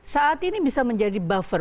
saat ini bisa menjadi buffer